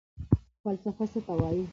فلسفه څه ته وايي؟